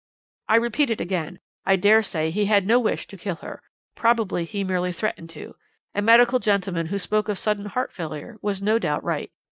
"I repeat it again, I dare say he had no wish to kill her. Probably he merely threatened to. A medical gentleman who spoke of sudden heart failure was no doubt right.